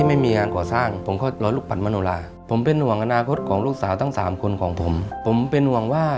สมอยู่ที่หนึ่งหมื่นบาทและกุญแจต่อชีวิตอยู่ที่สองดอก